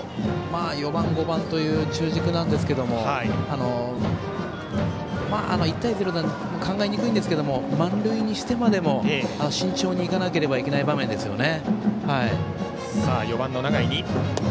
４番、５番という中軸なんですが、１対０だと考えにくいですが満塁にしてまでも慎重にいかなければいけない場面ですよね。